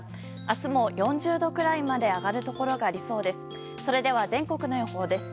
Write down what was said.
明日も４０度くらいまで上がるところがありそうです。